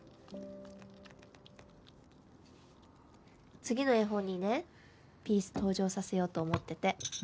次の絵本にねピース登場させようと思ってて。